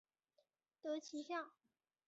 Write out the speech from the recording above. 得其下